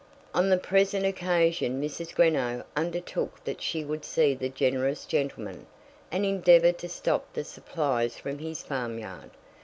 On the present occasion Mrs. Greenow undertook that she would see the generous gentleman, and endeavour to stop the supplies from his farmyard.